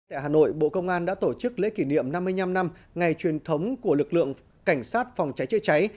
tại hà nội bộ công an đã tổ chức lễ kỷ niệm năm mươi năm năm ngày truyền thống của lực lượng cảnh sát phòng cháy chữa cháy